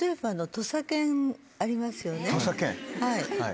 土佐犬。